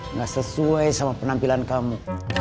nggak sesuai sama penampilan kamu